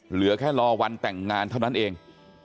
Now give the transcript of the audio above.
เหลือแค่รอวันแต่งงานเท่านั้นเอง